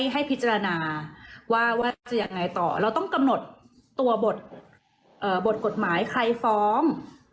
ให้พิจารณาว่าจะยังไงต่อเราต้องกำหนดตัวบทกฎหมายใครฟ้อง